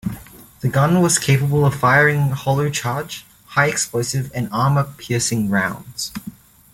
The gun was capable of firing hollow charge, high explosive, and armour piercing rounds.